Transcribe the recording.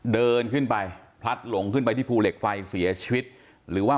เดินขึ้นไปพลัดหลงขึ้นไปที่ภูเหล็กไฟเสียชีวิตหรือว่า